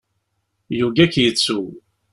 Yugi ad k-yettu.